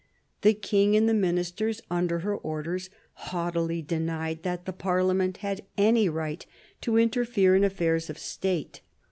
The King and the Ministers, under her orders, haughtily denied that the Parliament had any right to interfere in affairs of State.